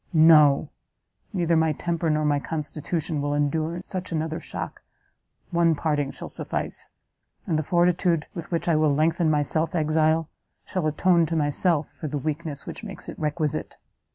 No! neither my temper nor my constitution will endure such another shock, one parting shall suffice, and the fortitude with which I will lengthen my self exile, shall atone to myself for the weakness which makes it requisite!"